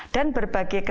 dan berbagai lainnya